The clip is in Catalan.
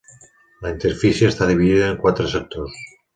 La interfície està dividida en quatre sectors.